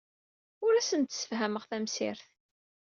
Ur asent-d-ssefhameɣ tamsirt.